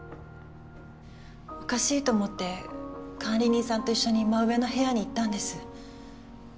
おかしいと思って管理人さんと一緒に真上の部屋に行ったんです。